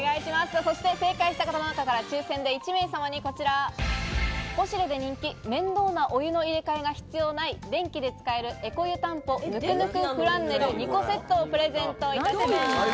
そして正解した方の中から抽選で１名様にこちら、ポシュレで人気、面倒なお湯の入れ替えが必要ない「電気で使えるエコ湯たんぽぬくぬくフランネル２個セット」をプレゼントいたします。